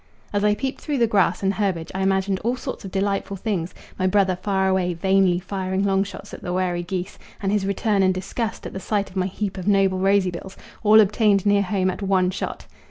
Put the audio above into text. As I peeped through the grass and herbage I imagined all sorts of delightful things my brother far away vainly firing long shots at the wary geese, and his return and disgust at the sight of my heap of noble rosy bills, all obtained near home at one shot!